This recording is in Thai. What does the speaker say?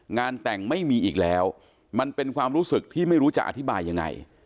งานแต่งไม่มีอีกแล้วมันเป็นความรู้สึกที่ไม่รู้จะอธิบายยังไง